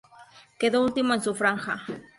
Quedó último en su franja.